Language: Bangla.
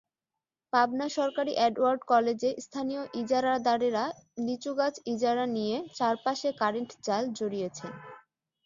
পাবনা সরকারি এডওয়ার্ড কলেজে স্থানীয় ইজারাদারেরা লিচুগাছ ইজারা নিয়ে চারপাশে কারেন্ট জাল জড়িয়েছেন।